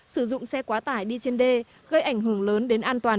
sử dụng xe quá tải đi trên đê gây ảnh hưởng lớn đến an toàn